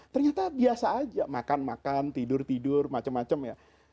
ternyata biasa aja makan makan tidur tidur macem macem ya